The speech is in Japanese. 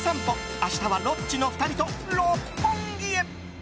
明日はロッチの２人と六本木へ！